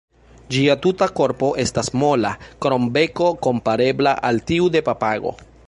Ĝia tuta korpo estas mola, krom beko komparebla al tiu de papago.